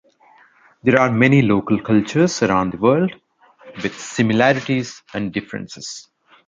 There are many local cultures around the world, with similarities and differences.